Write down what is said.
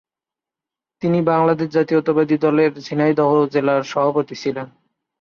তিনি বাংলাদেশ জাতীয়তাবাদী দলের ঝিনাইদহ জেলা শাখার সভাপতি ছিলেন।